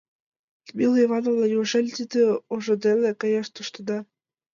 — Людмила Ивановна, неужели тиде ожо дене каяш тоштыда?